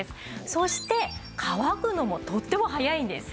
そして乾くのもとっても早いんです。